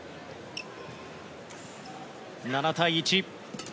７対１。